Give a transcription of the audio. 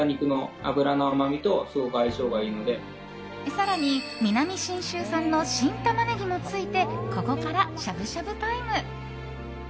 更に南信州産の新タマネギもついてここから、しゃぶしゃぶタイム！